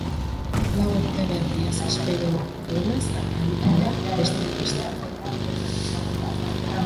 Lan urte berriaz espero duenaz aritu da, besteak beste.